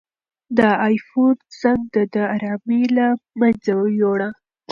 د آیفون زنګ د ده ارامي له منځه یووړه.